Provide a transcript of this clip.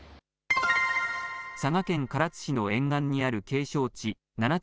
佐賀県唐津市の沿岸にある景勝地七ツ